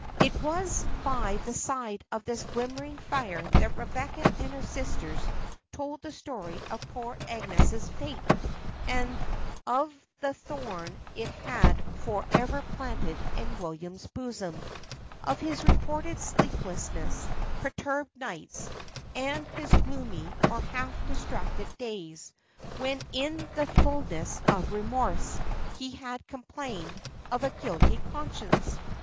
It was by the side of this glimmering fire that Rebecca and her sisters told the story of poor Agnes's fate, and of the thorn it had for ever planted in William's bosom of his reported sleepless, perturbed nights; and his gloomy, or half distracted days; when in the fullness of remorse, he has complained "of a guilty conscience!